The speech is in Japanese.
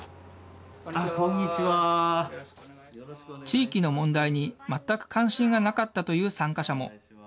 地域の問題に全く関心がなかったという参加者も。